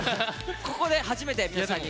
ここで初めて皆さんに。